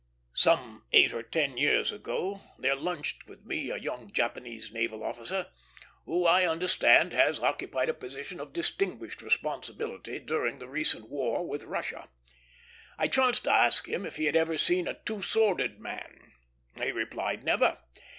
Some eight or ten years ago there lunched with me a young Japanese naval officer, who I understand has occupied a position of distinguished responsibility during the recent war with Russia. I chanced to ask him if he had ever seen a two sworded man. He replied, Never.